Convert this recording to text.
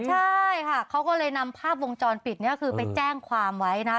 ใช่ค่ะเขาก็เลยนำภาพวงชอนปิดไปแจ้งความไว้นะครับ